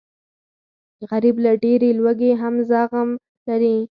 غریب له ډېرې لوږې هم زغم لري